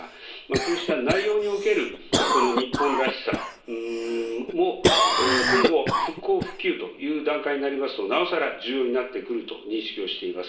こうした内容における日本らしさも今後、復興・復旧という段階になりますと、なおさら重要になってくると認識をしております。